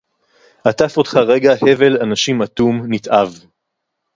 עטף אותך רגע הבל אנשים אטום, נתעב.